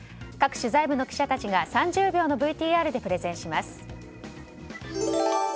各取材部の記者やデスクたちが３０秒のＶＴＲでプレゼンします。